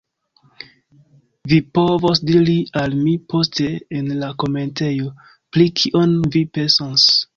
Vi povos diri al mi poste, en la komentejo, pri kion vi pensas.